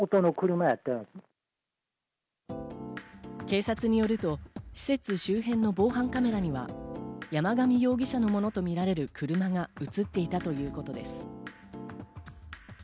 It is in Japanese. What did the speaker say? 警察によると施設周辺の防犯カメラには、山上容疑者のものとみられる車が映っていたということです。